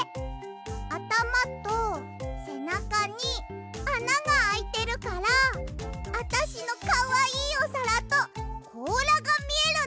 あたまとせなかにあながあいてるからあたしのかわいいおさらとこうらがみえるんだよ！